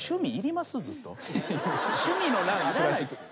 趣味の欄いらないっす。